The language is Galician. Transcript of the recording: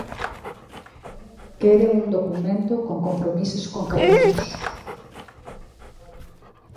Queren un documento con compromisos concretos.